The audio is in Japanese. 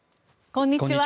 こんにちは。